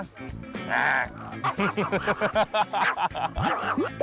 ช่าย